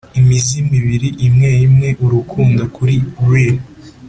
imizimu ibiri imwe-imwe, urukundo kuri reel,